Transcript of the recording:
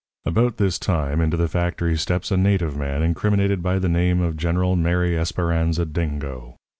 "About this time into the factory steps a native man incriminated by the name of General Mary Esperanza Dingo.